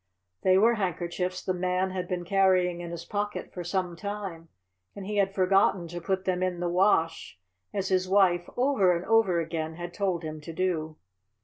They were handkerchiefs the man had been carrying in his pocket for some time, and he had forgotten to put them in the wash, as his wife, over and over again, had told him to do.